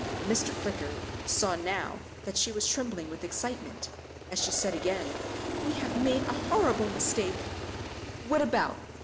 Mr. Flicker saw now that she was trembling with excitement, as she said again, "We have made a horrible mistake." "What about?"